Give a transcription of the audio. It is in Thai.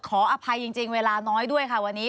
ขออภัยจริงเวลาน้อยด้วยค่ะวันนี้